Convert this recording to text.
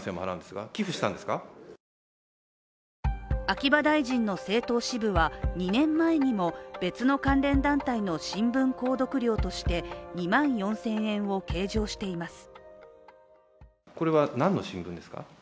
秋葉大臣の政党支部は２年前にも別の関連団体の新聞購読料として２万４０００円を計上しています。